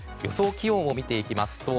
気温を見ていきますと